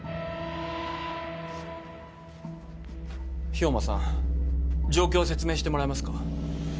兵馬さん状況を説明してもらえますか？